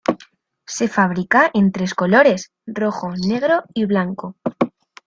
Se fabricaba en tres colores, rojo, negro y blanco.